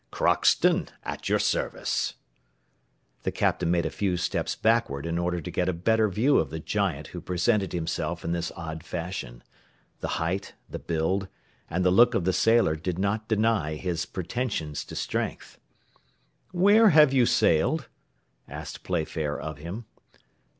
"Crockston, at your service." The Captain made a few steps backwards in order to get a better view of the giant who presented himself in this odd fashion. The height, the build, and the look of the sailor did not deny his pretensions to strength. "Where have you sailed?" asked Playfair of him.